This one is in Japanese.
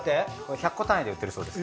１００個単位で売ってるそうです。